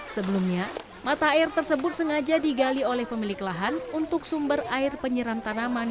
sebelumnya mata air tersebut sengaja digali oleh pemilik lahan untuk sumber air penyeram tanaman